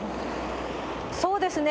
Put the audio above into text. そうですね。